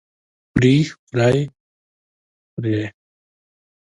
خوري خورۍ خورې؟